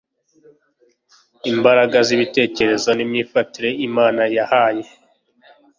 imbaraga zibitekerezo nimyifatire Imana yahaye